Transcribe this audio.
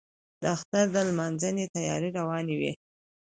د اختر د لمانځنې تیاري روانه وه.